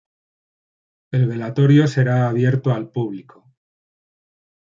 El velatorio será abierto al público.